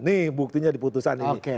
ini buktinya di putusan ini